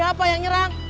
siapa yang nyerang